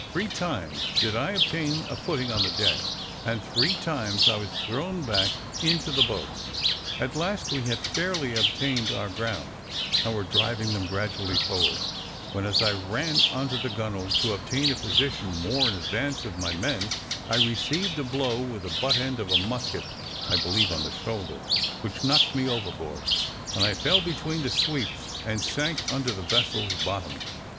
Three times did I obtain a footing on the deck, and three times was I thrown back into the boats. At last we had fairly obtained our ground, and were driving them gradually forward, when, as I ran on the gunwale to obtain a position more in advance of my men, I received a blow with the butt end of a musket, I believe on the shoulder, which knocked me overboard, and I fell between the sweeps, and sank under the vessel's bottom.